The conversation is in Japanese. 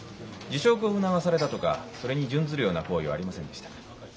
辞職を促されたとかそれに準ずるような行為はありませんでしたか？